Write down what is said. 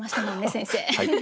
先生。